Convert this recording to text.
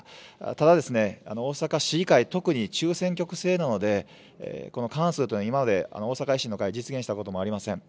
ただですね、大阪市議会、特に中選挙区制なので、この過半数というのは今まで大阪維新の会、実現したこともありません。